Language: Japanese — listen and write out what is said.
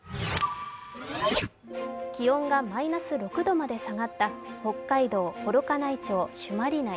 気温がマイナス６度まで下がった北海道幌加内町朱鞠内。